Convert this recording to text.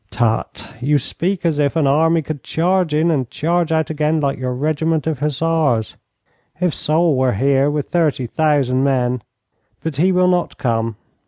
'Tut, you speak as if an army could charge in and charge out again like your regiment of hussars. If Soult were here with thirty thousand men but he will not come.